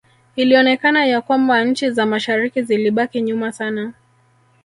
Ilionekana ya kwamba nchi za mashariki zilibaki nyuma sana